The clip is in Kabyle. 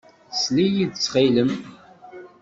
Sel-iyi-d, ttxil-m.